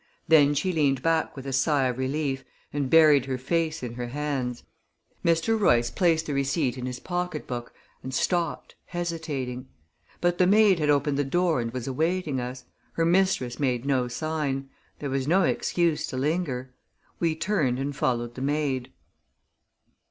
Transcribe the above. Then she leaned back with a sigh of relief, and buried her face in her hands. Mr. Royce placed the receipt in his pocket book, and stopped, hesitating. But the maid had opened the door and was awaiting us. Her mistress made no sign; there was no excuse to linger. We turned and followed the maid.